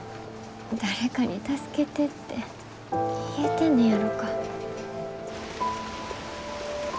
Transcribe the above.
誰かに助けてって言えてんねやろか。